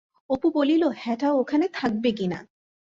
অপু বলিল, হ্যাঁঠা, ওখানে থাকবে কিনা?